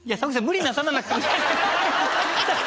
無理なさらなくても。